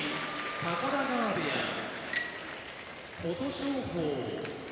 高田川部屋琴勝峰